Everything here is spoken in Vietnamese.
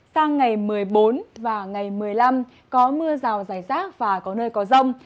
sang ngày một mươi bốn và ngày một mươi năm có mưa rào rải rác và có nơi có rông